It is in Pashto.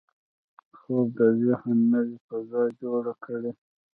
خوب د ذهن نوې فضا جوړه کړي